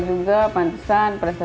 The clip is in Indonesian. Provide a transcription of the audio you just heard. yg membuat agak terhambat